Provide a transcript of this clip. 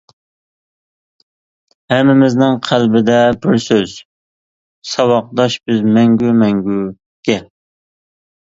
ھەممىمىزنىڭ قەلبىدە بىر سۆز، ساۋاقداش بىز مەڭگۈ مەڭگۈگە.